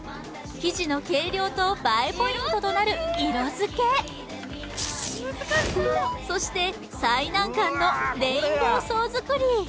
生地の計量と映えポイントとなる色付けそして最難関のレインボー層作り